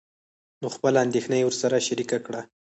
نو خپله اندېښنه يې ورسره شريکه کړه.